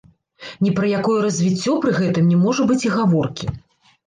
Ні пра якое развіццё пры гэтым не можа быць і гаворкі.